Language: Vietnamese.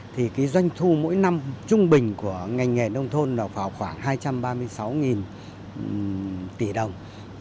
thì cái doanh thu mỗi năm trung bình của ngành nghề nông thôn là vào khoảng hai trăm ba mươi sáu tỷ đồng